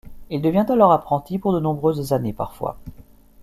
Il devient alors apprenti pour de nombreuses années parfois.